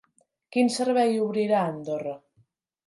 Quin servei obrirà Andorra?